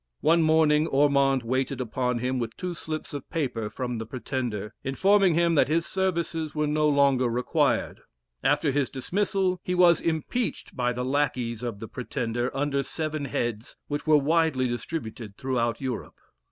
One morning Ormond waited upon him with two slips of paper from the Pretender, informing him that his services were no longer required. After his dismissal he was impeached by the lackeys of the Pretender under seven heads, which were widely distributed throughout Europe.